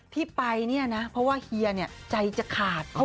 ที่ไปเนี่ยนะเพราะว่าเฮียใจจะขาด